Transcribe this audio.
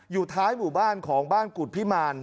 ม๔ทัพ๑๓